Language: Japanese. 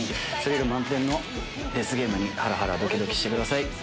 スリル満点のデスゲームにハラハラドキドキしてください。